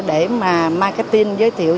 để mà marketing giới thiệu